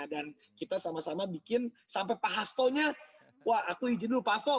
dan kita sama sama bikin sampai pak hastonya wah aku izin dulu pak hasto